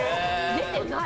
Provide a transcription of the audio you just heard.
出てない？